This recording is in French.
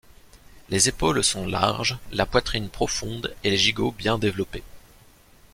Les épaules sont larges, la poitrine profonde et les gigots bien développés.